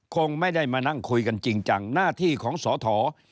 คงไม่ได้มานั่งคุยกันจริงจังหน้าที่ของสอทอ